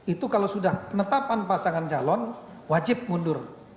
itu kalau sudah penetapan pasangan calon wajib mundur